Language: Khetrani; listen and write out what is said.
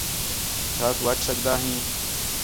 چَھا تُو اَچ سڳدا ہیں؟